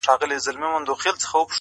ښه ملګری پټه شتمني ده؛